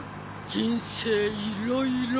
人生いろいろ。